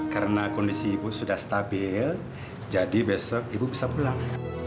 karena kondisi ibu sudah stabil jadi besok ibu bisa pulang